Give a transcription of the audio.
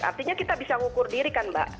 artinya kita bisa ngukur diri kan mbak